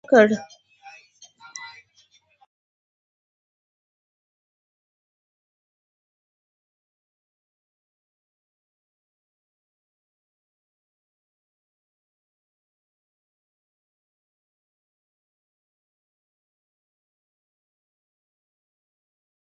ژوند دوه قوانین لري دا حقیقت باید ومنل شي.